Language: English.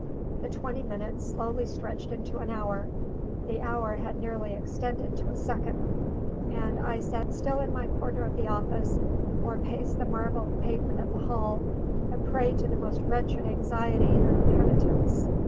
The twenty minutes slowly stretched into an hour; the hour had nearly extended to a second; and I still sat in my corner of the office, or paced the marble pavement of the hall, a prey to the most wretched anxiety and penitence.